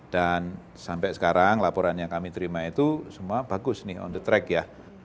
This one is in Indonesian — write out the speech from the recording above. dan sampai sekarang laporan yang kami terima itu semua bagus nih on the track ya